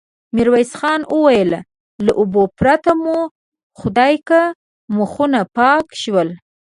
ميرويس خان وويل: له اوبو پرته مو خدايکه مخونه پاک شول.